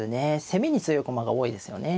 攻めに強い駒が多いですよね。